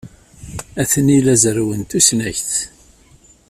Atni la zerrwen tusnakt.